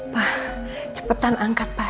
pak cepetan angkat pak